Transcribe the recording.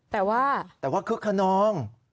แต่ว่าแต่ว่าคึกขนอง